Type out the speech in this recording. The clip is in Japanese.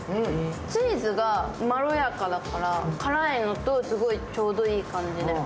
チーズがまろやかだから、辛いのとすごいちょうどいい感じで。